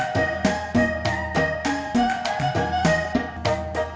yang juga memikir mikir takum kecabar